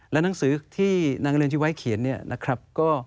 และหนังสือที่นางเรือนที่ไว้เขียนเนี่ยนะครับ